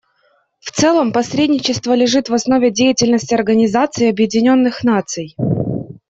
В целом, посредничество лежит в основе деятельности Организации Объединенных Наций.